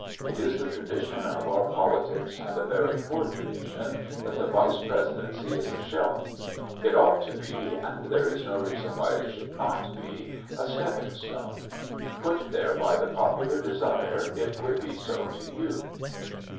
It is the tradition of our politics, and a very poor tradition, that the Vice Presidency is a shelf. It ought to be, and there is no reason why it should not be, a stepping stone. Put there by the popular desire, it would be so to you."